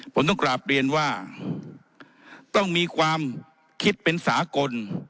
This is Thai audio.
ผมต้องกราบเรียนว่าต้องมีความคิดเป็นสากล